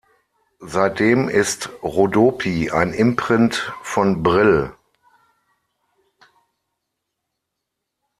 Seitdem ist "Rodopi" ein Imprint von Brill.